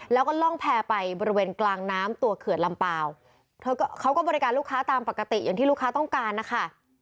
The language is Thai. แล้วก็ล่องแพร่ไปบริเวณกลางน้ำตัวเขื่อนลำเปล่าเธอก็เขาก็บริการลูกค้าตามปกติอย่างที่ลูกค้าต้องการนะคะ